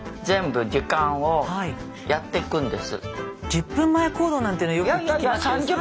１０分前行動なんていうのよく聞きますけど。